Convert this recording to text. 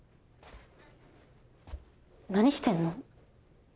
何してんの？